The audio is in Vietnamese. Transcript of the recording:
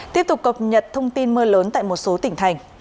tiếp tục cập nhật thông tin mưa lớn tại một số tỉnh thành